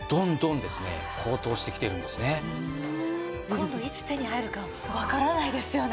今度いつ手に入るかわからないですよね。